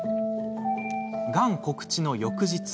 がん告知の翌日。